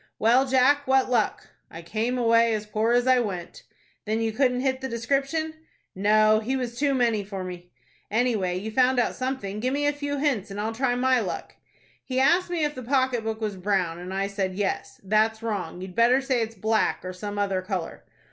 "Well, Jack, what luck?" "I came away as poor as I went." "Then you couldn't hit the description?" "No, he was too many for me." "Anyway, you found out something. Give me a few hints, and I'll try my luck." "He asked me if the pocket book was brown, and I said yes. That's wrong. You'd better say it's black, or some other color."